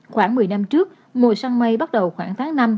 khoảng một mươi năm trước mùa săn mây bắt đầu khoảng tháng năm